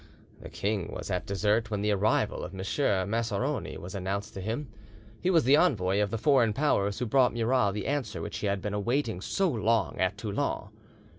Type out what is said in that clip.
The king was at dessert when the arrival of M. Maceroni was announced to him: he was the envoy of the foreign powers who brought Murat the answer which he had been awaiting so long at Toulon.